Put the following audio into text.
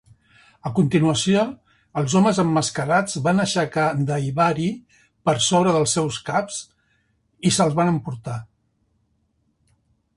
A continuació, els homes emmascarats van aixecar Daivari per sobre dels seus caps i se'l van emportar.